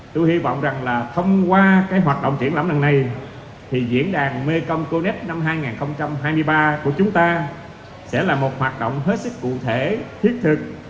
tôi hy vọng rằng là thông qua cái hoạt động triển lãm lần này thì diễn đàn mekong connect năm hai nghìn hai mươi ba của chúng ta sẽ là một hoạt động hết sức cụ thể thiết thực